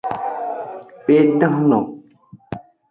E dan lon.